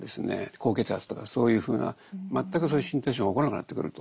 高血圧とかそういうふうな全くそういう身体症状が起こらなくなってくると。